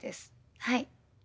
はい。